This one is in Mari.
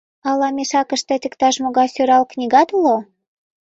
— Ала мешакыштет иктаж-могай сӧрал книгат уло?